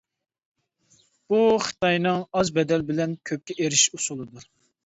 بۇ خىتاينىڭ ئاز بەدەل بىلەن كۆپكە ئېرىشىش ئۇسۇلىدۇر.